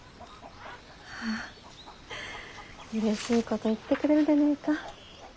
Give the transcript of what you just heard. はぁうれしいこと言ってくれるでねえか。